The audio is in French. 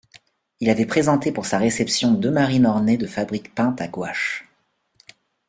Il avait présenté pour sa réception deux marines ornées de fabriques peintes à gouache.